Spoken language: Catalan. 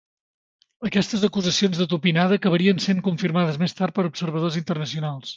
Aquestes acusacions de tupinada acabarien sent confirmades més tard per observadors internacionals.